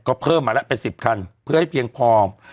ก็เพิ่มมาละไปสิบคันเพื่อให้เพียงพร้อม